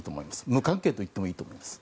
無関係と言ってもいいと思います。